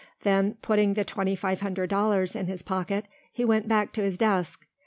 Then putting the twenty five hundred dollars in his pocket he went back to his desk.